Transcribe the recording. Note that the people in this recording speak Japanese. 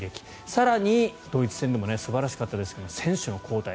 更に、ドイツ戦でも素晴らしかったですけど選手の交代